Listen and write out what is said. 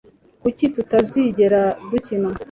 kuki tutazigera dukina